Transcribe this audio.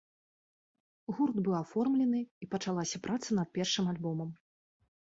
Гурт быў аформлены, і пачалася праца над першым альбомам.